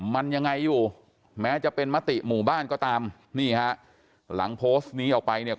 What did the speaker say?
มันยังไงอยู่แม้จะเป็นมติหมู่บ้านก็ตามนี่ฮะหลังโพสต์นี้ออกไปเนี่ย